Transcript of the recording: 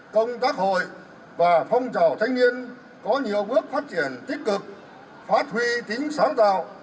công tác hội và phong trào thanh niên có nhiều bước phát triển tích cực phát huy tính sáng tạo